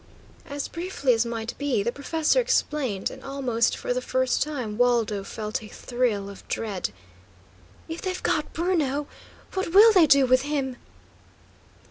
As briefly as might be, the professor explained, and almost for the first time Waldo felt a thrill of dread. "If they've got Bruno, what will they do with him?"